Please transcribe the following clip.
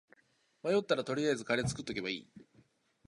迷ったら取りあえずカレー作っとけばいい